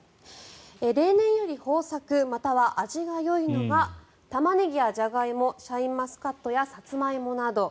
例年より豊作または味がよいのはタマネギやジャガイモシャインマスカットやサツマイモなど。